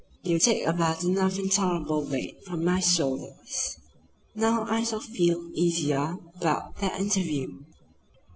"You take a burden of intolerable weight from my shoulders. Now I shall feel easier about that interview.